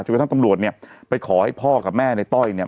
กระทั่งตำรวจเนี่ยไปขอให้พ่อกับแม่ในต้อยเนี่ย